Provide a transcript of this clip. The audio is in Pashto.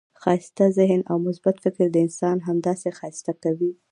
ښایسته ذهن او مثبت فکر انسان همداسي ښایسته کوي.